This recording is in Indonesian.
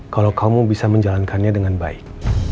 kalau kamu bisa menjalankannya dengan baik